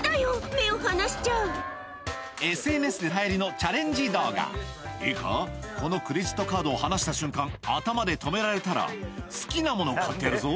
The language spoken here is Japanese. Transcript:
目を離しちゃＳＮＳで流行りのチャレンジ動画「いいかこのクレジットカードを離した瞬間頭で止められたら好きなもの買ってやるぞ」